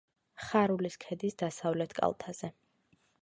ხარულის ქედის დასავლეთ კალთაზე.